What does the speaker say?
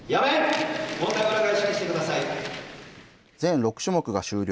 全６種目が終了。